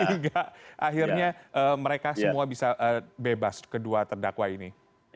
hingga akhirnya mereka semua bisa bebas kedua terdakwa ini